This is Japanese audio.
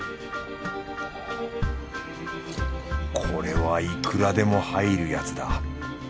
これはいくらでも入るやつだ。